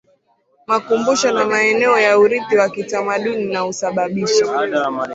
makumbusho na maeneo ya urithi wa kitamaduni na husababisha